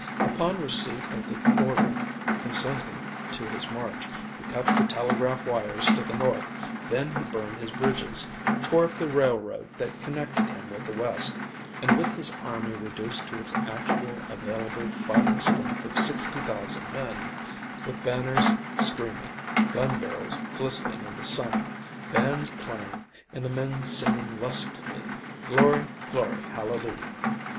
Upon receipt of the order consenting to his march, he cut the telegraph wires to the north, then he burned his bridges, tore up the railroad that connected him with the West, and, with his army reduced to its actual available fighting strength of 60,000 men, with banners streaming, gun barrels glistening in the sun, bands playing, and the men singing lustily "Glory, glory, hallelujah!"